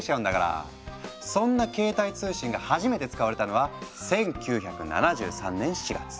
そんな携帯通信が初めて使われたのは１９７３年４月。